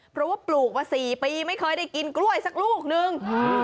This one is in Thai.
เพราะว่าปลูกมา๔ปีไม่เคยได้กินกล้วยสักลูกนึง